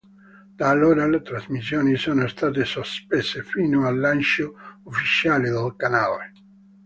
Da allora le trasmissioni sono state sospese, fino al lancio ufficiale del canale.